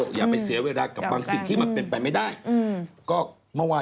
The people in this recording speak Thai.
ก็อย่างที่เมื่อวานเราบอกอ่ะเย้วุ้นเขาก็โพสต์ก็ความลงไอจีก็เหมือนกัน